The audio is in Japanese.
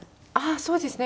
そうですね。